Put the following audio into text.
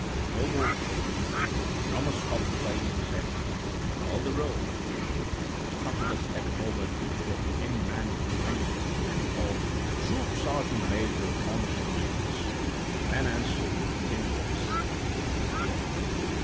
When no more came, the drummer stopped playing, and said, 'Call the roll.' "Then the trumpeter stepped toward the end man of the rank and called, 'Troop Sergeant Major Thomas Irons,' and the man answered in a thin voice, 'Here.'